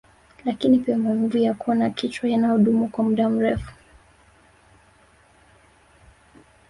Lakini pia maumivu ya koo na kichwa yanayodumu kwa muda mrefu